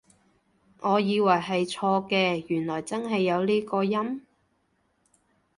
我以為係錯嘅，原來真係有呢個音？